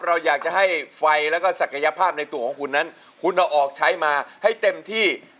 เราอยากให้ทรงไฟและศักยภาพให้ใช้มาให้เต็มที่